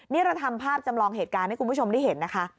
นี่เราทำภาพจำลองเหตุการณ์ให้คุณผู้ชมได้เห็นนะคะ